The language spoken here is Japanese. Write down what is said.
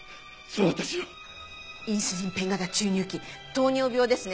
インスリンペン型注入器糖尿病ですね？